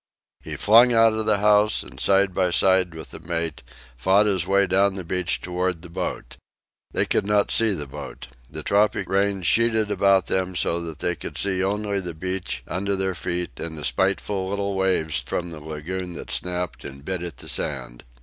He flung out of the house, and, side by side with the mate, fought his way down the beach toward the boat. They could not see the boat. The tropic rain sheeted about them so that they could see only the beach under their feet and the spiteful little waves from the lagoon that snapped and bit at the sand.